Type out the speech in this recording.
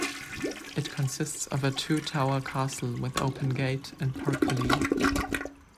It consists of a two tower castle with open gate and portcullis.